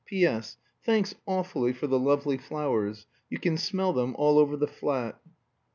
"P.S. Thanks awfully for the lovely flowers. You can smell them all over the flat!"